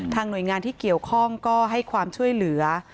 หน่วยงานที่เกี่ยวข้องก็ให้ความช่วยเหลือ